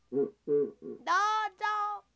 どうぞ。